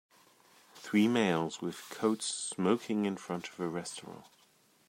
Three males with coats smoking in front of a restaurant.